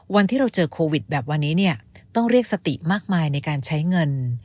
วันที่เราเจอโควิดแบบวันนี้เนี่ยต้องเรียกสติมากมายในการใช้เงิน